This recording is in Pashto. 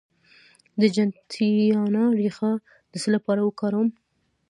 د جنتیانا ریښه د څه لپاره وکاروم؟